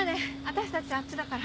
私たちあっちだから。